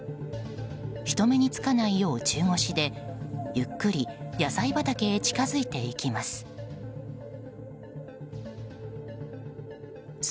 人目につかないよう中腰でゆっくり野菜畑へ近づいていきます。